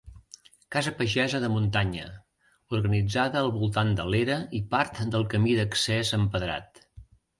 Casa pagesa de muntanya, organitzada al voltant de l'era i part del camí d'accés empedrat.